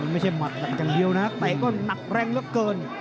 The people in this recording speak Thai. ไม่ใช่มัดอย่างเดียวนะแต่ก็หนักแรงเยอะเกิน